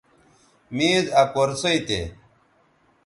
میز آ کرسئ تھے